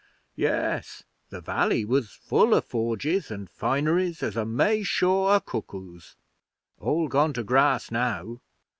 Yes. The valley was as full o' forges and fineries as a May shaw o' cuckoos. All gone to grass now!'